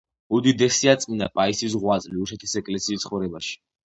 უდიდესია წმინდა პაისის ღვაწლი რუსეთის ეკლესიის ცხოვრებაში.